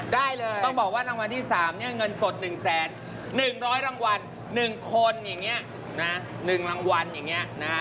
ได้เลยต้องบอกว่ารางวัลที่๓เนี่ยเงินสด๑๑๐๐รางวัล๑คนอย่างนี้นะ๑รางวัลอย่างนี้นะฮะ